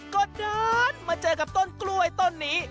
ก็เดินมาเจอกับต้นกล้วยต้นนี้